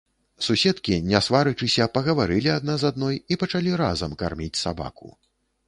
Суседкі, не сварачыся, пагаварылі адна з адной і пачалі разам карміць сабаку.